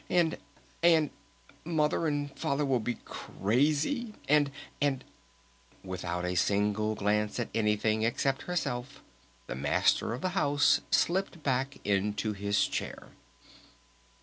And and Mother and Father will be crazy!... And and " Without a single glance at anything except herself, the Master of the House slipped back into his chair.